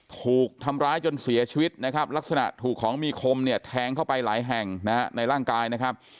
ถูกทำร้ายจนเสียชีวิตนะครับลักษณะถูกของมีคมเนี่ยแทงเข้าไปหลายแห่งนะฮะในร่างกายนะครับ